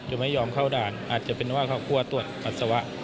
อยู่ไม่ยอมเข้าด่าอาจจะเป็นว่าเขาไปกว้าตรวจอัตสาวะ